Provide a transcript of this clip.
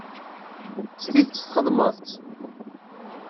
S tidet txedmeḍ-tt?